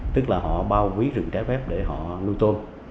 tức là họ bao quý rừng trái phép để họ nuôi tôm